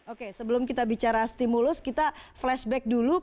oke sebelum kita bicara stimulus kita flashback dulu